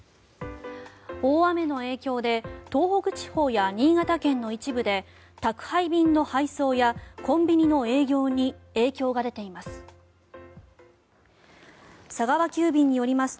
大雨の影響で東北地方や新潟県の一部で宅配便の配送やコンビニの営業に影響が出ています。